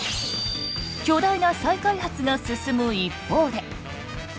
巨大な再開発が進む一方で。